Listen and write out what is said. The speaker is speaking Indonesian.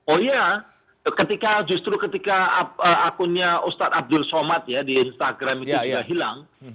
oh ya justru ketika akunnya ustadz abdul somad ya di instagram itu hilang